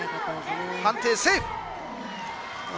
判定はセーフ。